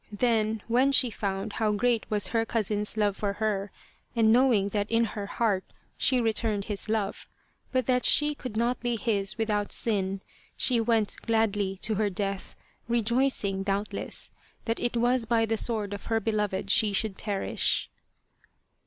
Then, when she found how great was her cousin's love for her, and knowing that in her heart she returned his love, but that she could not be his without sin, she went gladly to her death, rejoicing, doubtless, that it was by the sword of her beloved she should perish.